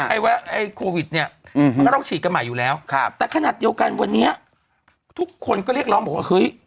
ไอ้โควิดเนี่ยมันก็ต้องฉีดกันใหม่อยู่แล้วครับแต่ขนาดเดียวกันวันนี้ทุกคนก็เรียกร้องบอกว่าเฮ้ย